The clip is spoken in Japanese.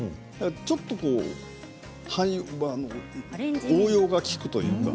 ちょっと応用が利くというか。